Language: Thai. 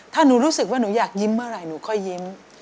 ถ้าหนูรู้สึกว่าหนูอยากยิ้มเมื่อไหร่หนูค่อยยิ้ม